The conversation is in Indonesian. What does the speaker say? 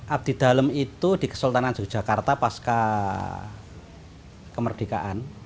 abdi dalam itu di kesultanan yogyakarta pasca kemerdekaan